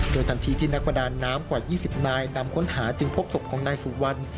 โดยทันทีที่นักประดาน้ำกว่า๒๐นายนำค้นหาจึงพบศพของนายสุวรรณ